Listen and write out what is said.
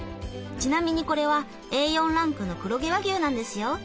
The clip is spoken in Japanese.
ちなみにこれはＡ４ランクの黒毛和牛なんですよ。